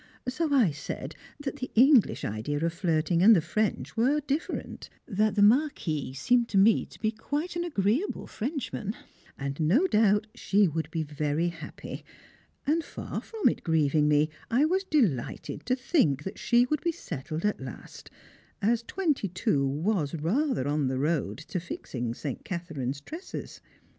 So I said that the English idea of flirting and the French were different; that the Marquis seemed to me to be quite an agreeable Frenchman, and no doubt she would be very happy; and far from it grieving me, I was delighted to think she would be settled at last, as twenty two was rather on the road to fixing St. Catherine's tresses.